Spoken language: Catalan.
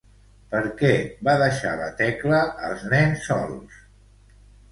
Per què va deixar la Tecla els nens sols?